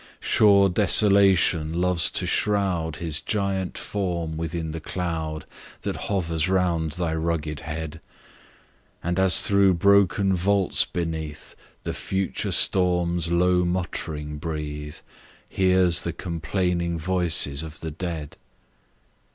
Sure Desolation loves to shroud His giant form within the cloud That hovers round thy rugged head; And as through broken vaults beneath, The future storms low muttering breathe, Hears the complaining voices of the dead.